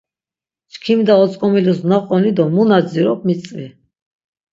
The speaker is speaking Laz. Çkimda otzk̆omilus naqoni do mu na dzirop mitzvi.